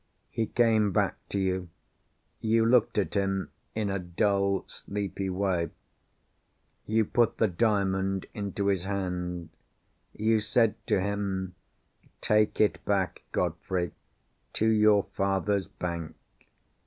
He came back to you. You looked at him in a dull sleepy way. You put the Diamond into his hand. You said to him, "Take it back, Godfrey, to your father's bank.